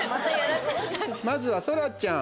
まずは、そらちゃん。